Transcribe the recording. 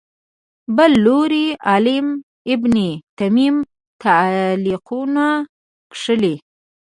بل لوی عالم ابن تیمیه تعلیقونه کښلي